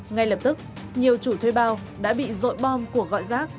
ngay lập tức nhiều chủ thuê bao đã bị rội bom của gọi giác